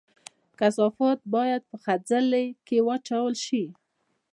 کثافات باید په خځلۍ کې واچول شي